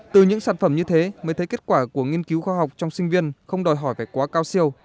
từ những sản phẩm như thế mới thấy kết quả của nghiên cứu khoa học trong sinh viên không đòi hỏi phải quá cao siêu